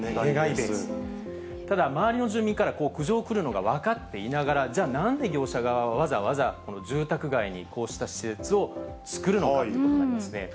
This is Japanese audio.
ただ周りの住民から苦情が来るのが分かっていながら、じゃあ、なんで業者側はわざわざ、この住宅街にこうした施設を作るのかということになりますね。